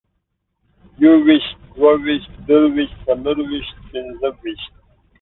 يوويشت، دوه ويشت، درویشت، څلرويشت، پنځه ويشت